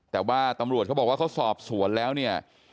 แต่ว่าตำรวจเขาบอกว่าเขาสอบสวนแล้วเนี่ย